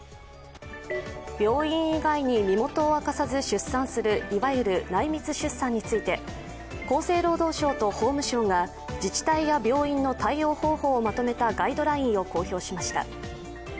病院以外に身元を明かさず出産するいわゆる内密出産について厚生労働省と法務省が自治体や病院の対応方法をまとめたガイドラインを公表しました。